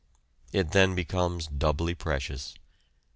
It then becomes doubly precious.